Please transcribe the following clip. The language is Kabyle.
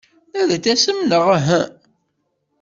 Ad d-tasem neɣ uhu?